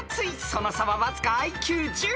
［その差はわずかＩＱ１０］